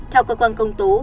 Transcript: theo cơ quan công tố